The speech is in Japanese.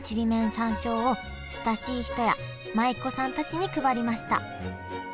山椒を親しい人や舞妓さんたちに配りました。